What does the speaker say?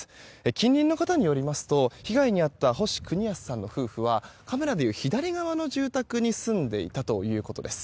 近隣の方によりますと被害に遭った星邦康さんの夫婦はカメラでいう左側の住宅に住んでいたということです。